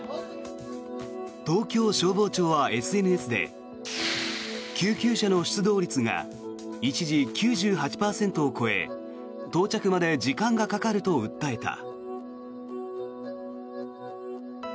東京消防庁はＳＮＳで救急車の出動率が一時、９８％を超え到着まで時間がかかると訴えた。